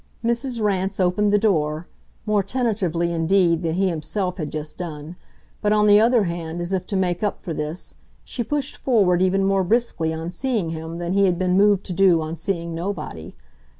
Mrs. Rance opened the door more tentatively indeed than he himself had just done; but on the other hand, as if to make up for this, she pushed forward even more briskly on seeing him than he had been moved to do on seeing nobody.